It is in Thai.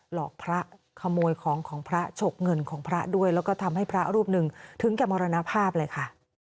หลอกพระขโมยของของพระฉกเงินของพระด้วยแล้วก็ทำให้พระรูปหนึ่งถึงแก่มรณภาพเลยค่ะ